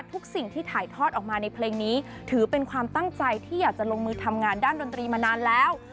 ทุกสิ่งที่ถ่ายทอดออกมาในเพลงนี้ถือเป็นความตั้งใจที่อยากจะลงมือทำงานด้านดนตรีมานานแล้ว